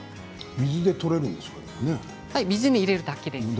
水で取れるんですかね。